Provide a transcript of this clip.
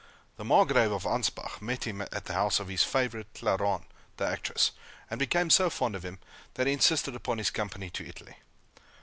The Margrave of Anspach met him at the house of his favorite Clairon, the actress, and became so fond of him, that he insisted upon his company to Italy.